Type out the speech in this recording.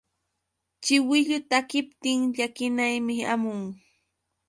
Chiwillu takiptin llakinaymi hamun.